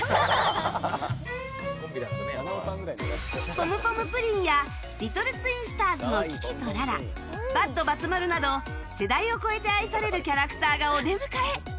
ポムポムプリンやリトルツインスターズのキキとララバッドばつ丸など世代を超えて愛されるキャラクターがお出迎え。